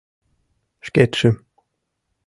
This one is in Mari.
Шкетшым.